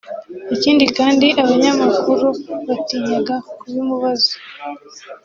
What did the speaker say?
Ikindi kandi abanyamakuru batinyaga kubimubaza